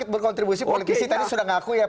berkontribusi politisi tadi sudah ngaku ya